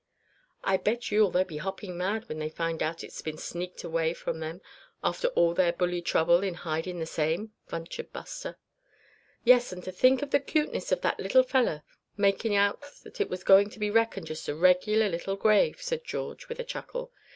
"I bet you they'll be hoppin' mad when they find out it's been sneaked away from them after all their bully trouble in hidin' the same," ventured Buster. "Yes, and to think of the cuteness of that fellow makin' out that it was going to be reckoned just a regular little grave," said George, with a chuckle.